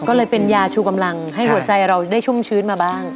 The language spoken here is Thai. ก็เลยเป็นยาชูกำลังให้หัวใจเราได้ชุ่มชื้นมาบ้าง